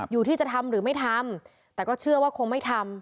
อยู่ที่จะทำหรือไม่ทำแต่ก็เชื่อว่าคงไม่ทำ